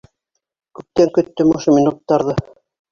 Күптән көттөм ошо минуттарҙы.